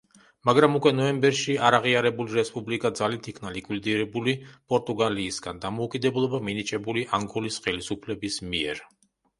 მაგრამ უკვე ნოემბერში არაღიარებული რესპუბლიკა ძალით იქნა ლიკვიდირებული პორტუგალიისგან დამოუკიდებლობა მინიჭებული ანგოლის ხელისუფლების მიერ.